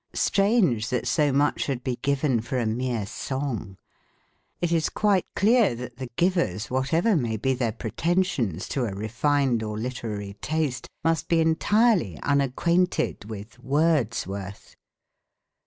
Strange! that so much should be given for a mere song. It is quite clear that the givers, whatever may be their pre tensions to a refined or literary taste, must be entirely unacquainted with Wordsworth.